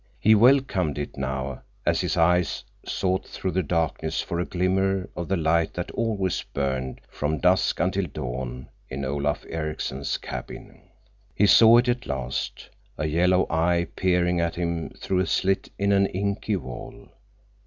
He welcomed it now as his eyes sought through the darkness for a glimmer of the light that always burned from dusk until dawn in Olaf Ericksen's cabin. He saw it at last, a yellow eye peering at him through a slit in an inky wall.